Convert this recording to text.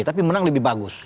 tapi menang lebih bagus